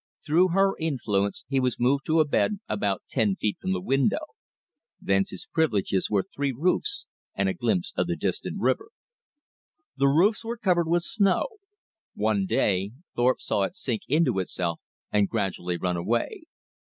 Through her influence he was moved to a bed about ten feet from the window. Thence his privileges were three roofs and a glimpse of the distant river. The roofs were covered with snow. One day Thorpe saw it sink into itself and gradually run away.